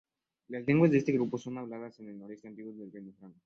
Las lenguas de este grupo son habladas en el noreste del antiguo Reino Franco.